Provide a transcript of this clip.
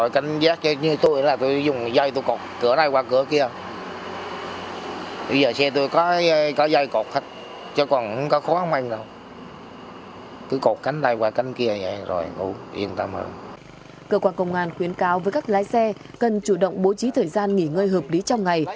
cơ quan công an khuyến cáo với các lái xe cần chủ động bố trí thời gian nghỉ ngơi hợp lý trong ngày